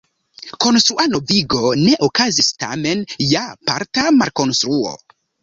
Konstrua novigo ne okazis, tamen ja parta malkonstruo.